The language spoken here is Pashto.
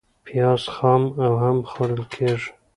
پیاز خام هم خوړل کېږي